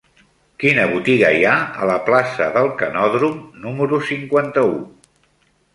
Quina botiga hi ha a la plaça del Canòdrom número cinquanta-u?